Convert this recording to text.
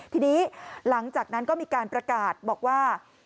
ทีนี้หลังจากนั้นก็มีการประกาศบอกว่า